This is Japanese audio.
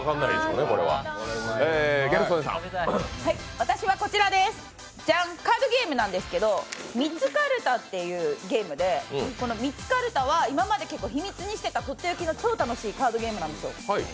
私はカードゲームなんですけど「ミツカルタ」というゲームで、「ミツカルタ」は今まで秘密にしていた超楽しいカードゲームなんですよ。